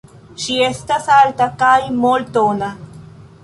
Ŝi estas alta kaj mol-tona.